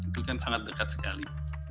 itu kan sangat dekat sekali